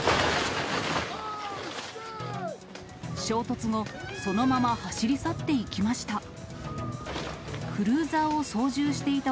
衝突後、そのまま走り去っていきました。